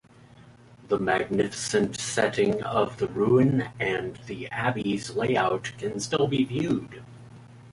The magnificent setting of the ruin and the Abbey's layout can still be viewed.